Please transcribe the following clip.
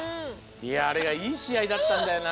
いやあれがいいしあいだったんだよな。